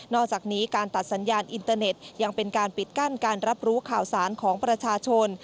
อกจากนี้การตัดสัญญาณอินเตอร์เน็ตยังเป็นการปิดกั้นการรับรู้ข่าวสารของประชาชน